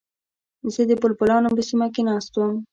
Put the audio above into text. زه د بلبلانو په سیمه کې ناست وم.